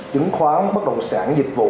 chứng khoán bất động sản dịch vụ